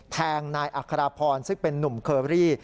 แทงนายอัครพรซึ่งเป็นนุ่มเคอรี่